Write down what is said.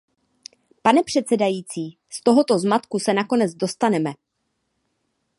Pane předsedající, z tohoto zmatku se nakonec dostaneme.